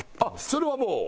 それはもう。